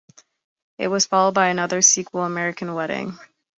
It was followed by another sequel, "American Wedding".